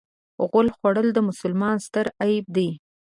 غول خوړل د مسلمان ستر عیب دی.